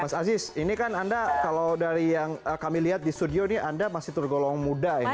mas aziz ini kan anda kalau dari yang kami lihat di studio ini anda masih tergolong muda ini